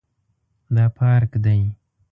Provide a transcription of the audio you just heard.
دا پارک دی